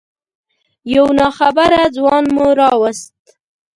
یو ناخبره ځوان مو راوست.